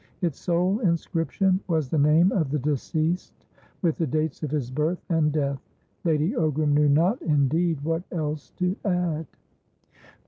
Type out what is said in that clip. Its sole inscription was the name of the deceased, with the dates of his birth and death; Lady Ogram knew not, indeed, what else to add.